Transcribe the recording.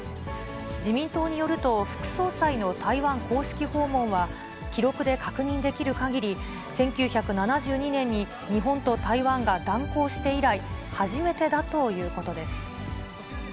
自民党によると副総裁の台湾公式訪問は、記録で確認できるかぎり、１９７２年に日本と台湾が断交して以来、初めてだということです。